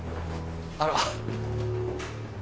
あら。